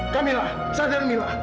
kamila sadar mila